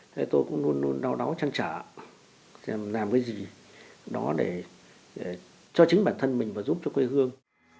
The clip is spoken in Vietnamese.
thế tôi cũng luôn luôn đau đáu chăn trở làm cái gì đó để cho chính bản thân mình và giúp cho quê hương